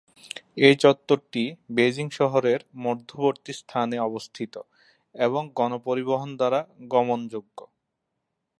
এই চত্বরটি বেইজিং শহরের মধ্যবর্তী স্থানে অবস্থিত এবং গণপরিবহন দ্বারা গমণযোগ্য।